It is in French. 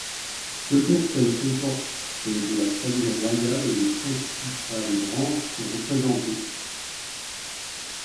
Ce conseil comporte de la famille royale et les principales branches sont représentées.